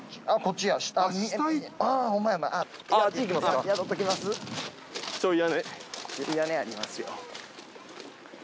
ちょい屋根ありますよ。